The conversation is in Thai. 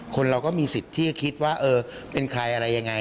คนเราก็มีสิทธิ์ที่จะคิดว่าเออเป็นใครอะไรยังไง